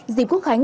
dịp quốc khánh